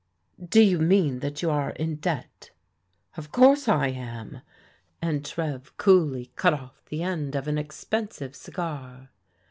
" Do you mean that you are in debt ?"" Of course I am," and Trev coolly cut off the end of an expensive cigar.